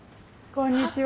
こんにちは。